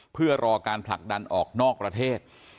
เพื่อรอการผลักดันออกนอกประเทศ